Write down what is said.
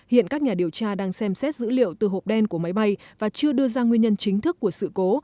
hiện các nhà điều tra đang xem xét dữ liệu từ hộp đen của máy bay và chưa đưa ra nguyên nhân chính thức của sự cố